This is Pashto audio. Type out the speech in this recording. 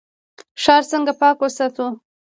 ښار څنګه پاک وساتو؟